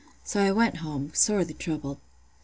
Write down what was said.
So I went home, sorely troubled.